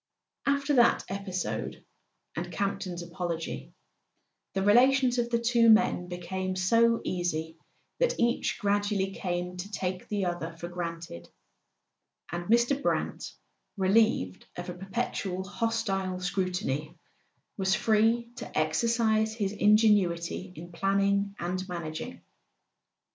.. After that episode, and Camp ton's apology, the relations of the two men became so easy that each gradually came to take the other for granted; and Mr. Brant, relieved of a perpetual hostile scrutiny, was free to exercise his ingenuity in planning and managing.